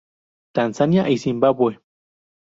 Tanzania y Zimbabue.